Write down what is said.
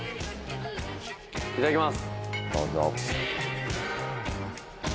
いただきます。